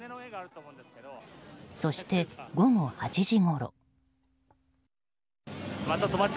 そして、午後８時ごろ。